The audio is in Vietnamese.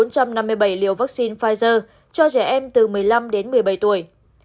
bình dương đã tiêm sáu mươi một bốn trăm năm mươi bảy liều vaccine cho trẻ em từ một mươi năm đến một mươi bảy tuổi